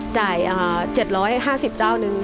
จ่าย๗๕๐เจ้านึง